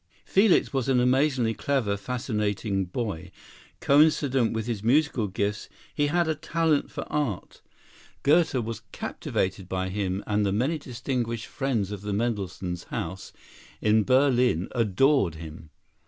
Felix was an amazingly clever, fascinating boy. Coincident with his musical gifts he had a talent for art. Goethe was captivated by him, and the many distinguished friends of the Mendelssohn house in Berlin adored him.